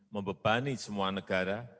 membebani semua negara